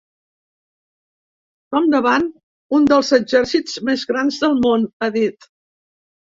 “Som davant un dels exèrcits més grans del món”, ha dit.